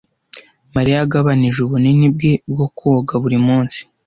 Mariya yagabanije ubunini bwe bwo koga buri munsi.